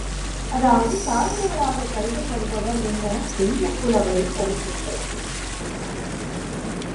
அதாவது தாழ்ந்தவராகக் கருதப்படுவர் என்பன தெய்வப் புலவரின் கருத்துகள்!